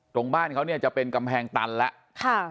บ้านเขาเนี่ยจะเป็นกำแพงตันแล้ว